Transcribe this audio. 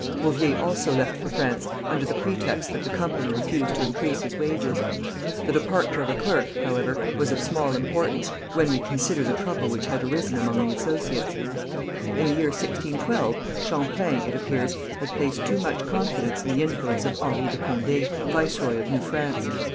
Rouvier also left for France, under the pretext that the company refused to increase his wages. The departure of a clerk, however, was of small importance, when we consider the trouble which had arisen among the associates. In the year 1612, Champlain, it appears, had placed too much confidence in the influence of Henri de Condé, viceroy of New France.